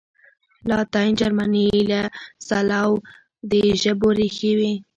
لاتین، جرمني او سلاو د ژبو ریښې دي.